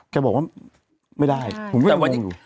แกบอกว่าไม่ได้ผมไม่รู้อยู่